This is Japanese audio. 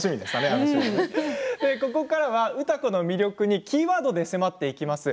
ここからは歌子の魅力にキーワードで迫っていきます。